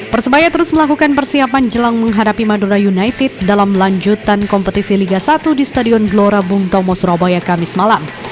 persebaya terus melakukan persiapan jelang menghadapi madura united dalam lanjutan kompetisi liga satu di stadion gelora bung tomo surabaya kamis malam